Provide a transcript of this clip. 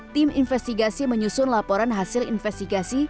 tim investigasi menyusun laporan hasil investigasi